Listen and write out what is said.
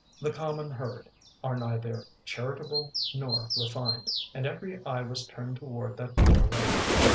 The common herd are neither charitable nor refined, and every eye was turned toward that poor lady.